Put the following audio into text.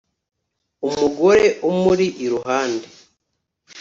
umugore umuri iruhande.